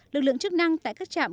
lực lượng chức năng tại các trạm